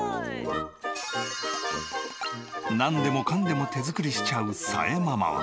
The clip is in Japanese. なんでもかんでも手作りしちゃうさえママは。